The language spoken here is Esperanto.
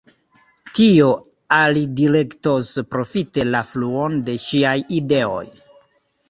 Tio alidirektos profite la fluon de ŝiaj ideoj.